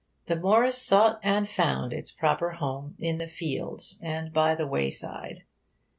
The Morris sought and found its proper home in the fields and by the wayside.